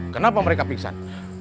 kenapa mereka pingsan